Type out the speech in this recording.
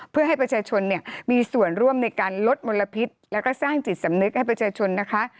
เพื่อให้ประชาชนเนี่ยมีส่วนร่วมในการลดมลพิษแล้วก็สร้างจิตสำนึกให้ประชาชนนะคะ